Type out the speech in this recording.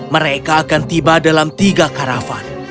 mereka akan tiba dalam tiga karavan